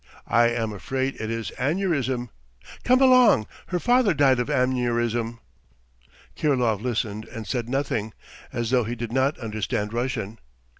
. I am afraid it is aneurism .... Come along ... her father died of aneurism." Kirilov listened and said nothing, as though he did not understand Russian.